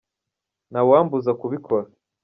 ntawambuza kubikora.